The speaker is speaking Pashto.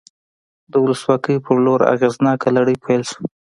د ولسواکۍ په لور اغېزناکه لړۍ پیل شوه.